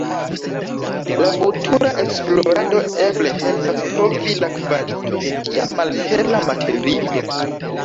La futura esplorado eble helpas trovi la kvalito de tia malhela materio.